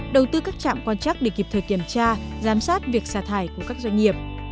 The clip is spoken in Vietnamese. đầu tư các trạm quan chắc để kịp thời kiểm tra giám sát việc xả thải của các doanh nghiệp